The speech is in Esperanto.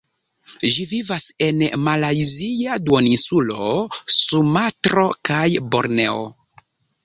Ĝi vivas en Malajzia Duoninsulo, Sumatro kaj Borneo.